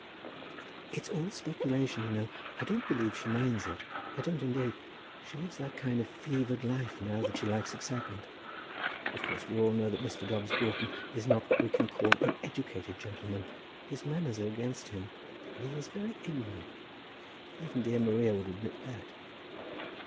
"It's all speculation, you know. I don't believe she minds it; I don't, indeed. She lives that kind of fevered life now that she likes excitement. Of course we all know that Mr. Dobbs Broughton is not what we can call an educated gentleman. His manners are against him, and he is very ignorant. Even dear Maria would admit that."